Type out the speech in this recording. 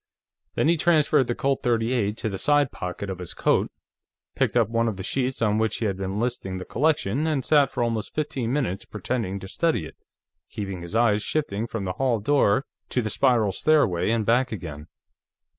Then he transferred the Colt .38 to the side pocket of his coat, picked up one of the sheets on which he had been listing the collection, and sat for almost fifteen minutes pretending to study it, keeping his eyes shifting from the hall door to the spiral stairway and back again.